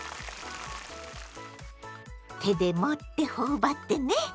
手で持って頬張ってね！